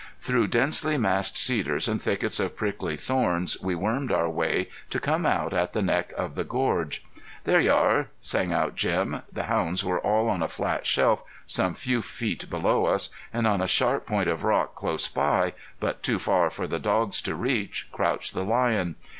Through densely massed cedars and thickets of prickly thorns we wormed our way to come out at the neck of the gorge. "There ye are!" sang out Jim. The hounds were all on a flat shelf some few feet below us, and on a sharp point of rock close by, but too far for the dogs to reach, crouched the lion.